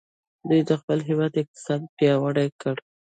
دوی د خپل هیواد اقتصاد پیاوړی کړ.